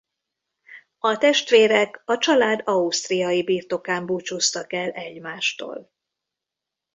A testvérek a család ausztriai birtokán búcsúztak el egymástól.